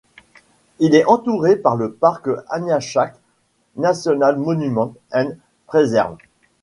Il est entouré par le parc Aniakchak National Monument and Preserve.